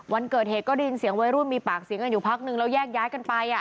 วันเกิดเหตุก็ได้ยินเสียงวัยรุ่นมีปากเสียงกันอยู่พักนึงแล้วแยกย้ายกันไป